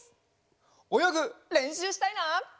およぐれんしゅうしたいな！